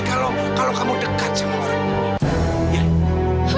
kalau kamu dekat sama orang